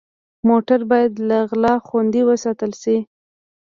موټر باید له غلا خوندي وساتل شي.